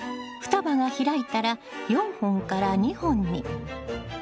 双葉が開いたら４本から２本に。